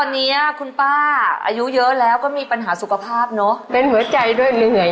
นี่คืออยู่ด้วยกันมากี่ปีละ